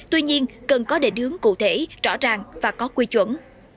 tuy nhiên cần có định hướng cụ thể rõ ràng và có quy chuẩn